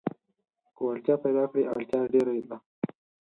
که وړتيا پيداکړې اړتيا ډېره ده.